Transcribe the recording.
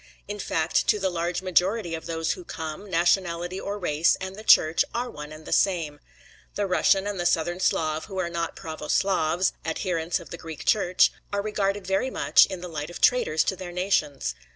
In fact to the large majority of those who come, nationality or race, and the Church, are one and the same. The Russian and the Southern Slav who are not pravo Slavs, adherents of the Greek Church, are regarded very much in the light of traitors to their nations.